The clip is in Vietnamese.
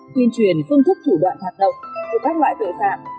tuyên truyền phương thức thủ đoạn hoạt động của các loại tội phạm